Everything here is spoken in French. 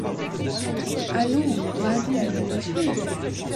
Allons, va donc ; je refuse.